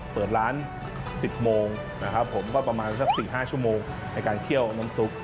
เปิดร้าน๑๐โมงนะครับผมก็ประมาณสัก๔๕ชั่วโมงในการเคี่ยวน้ำซุป